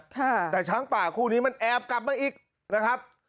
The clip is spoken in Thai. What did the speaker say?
แต่ช้างป่าคู่นี้มันแอบกลับมาอีกนะครับ